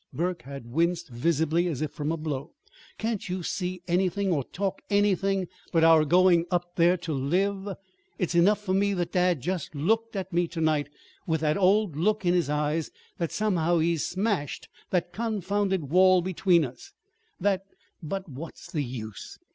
Burke had winced visibly, as if from a blow. "Can't you see anything, or talk anything, but our going up there to live? It's enough for me that dad just looked at me to night with the old look in his eyes; that somehow he's smashed that confounded wall between us; that But what's the use?